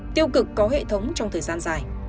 tiêu cực có hệ thống trong thời gian dài